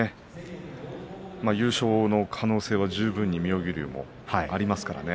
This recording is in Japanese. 優勝の可能性は十分に妙義龍もありますからね。